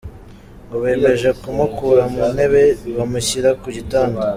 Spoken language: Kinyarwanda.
Ngo bemeje kumukura mu ntebe bamushyira ku gitanda.